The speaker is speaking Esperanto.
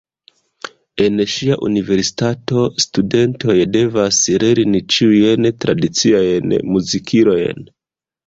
En ŝia universitato studentoj devas lerni ĉiujn tradiciajn muzikilojn.